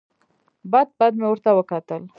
بد بد مې ورته وکتل.